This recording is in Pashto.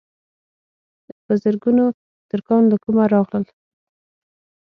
په زرګونو ترکان له کومه راغلل.